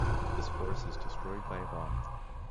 This force is destroyed by a bomb.